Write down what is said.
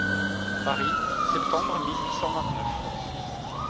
Paris, septembre mille huit cent vingt-neuf.